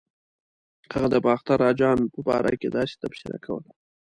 هغه د باختر اجان په باره کې داسې تبصره کوله.